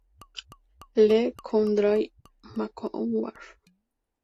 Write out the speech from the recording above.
Le Coudray-Macouard